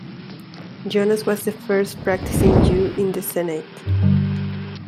Jonas was the first practicing Jew in the Senate.